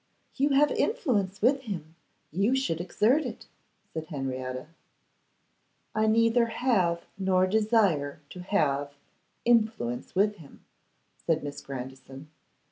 'You have influence with him; you should exert it,' said Henrietta. 'I neither have, nor desire to have, influence with him,' said Miss Grandison.